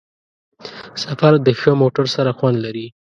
سفر د ښه موټر سره خوند لري.